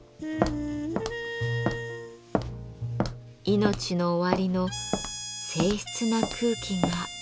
命の終わりの静ひつな空気が漂います。